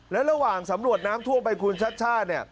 และระหว่างสำรวจน้ำทั่วไปคุณชาติชาติ